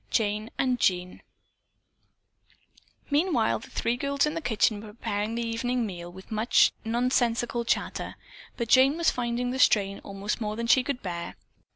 JANE AND JEAN Meanwhile the three girls in the kitchen were preparing the evening meal with much nonsensical chatter, but Jane was finding the strain almost more than she could bear.